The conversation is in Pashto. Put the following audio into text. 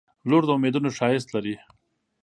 • لور د امیدونو ښایست لري.